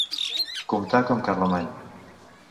Comptar com Carlemany.